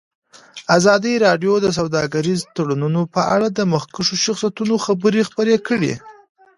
ازادي راډیو د سوداګریز تړونونه په اړه د مخکښو شخصیتونو خبرې خپرې کړي.